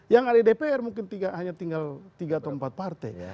yang ada di dpr mungkin hanya tinggal tiga atau empat partai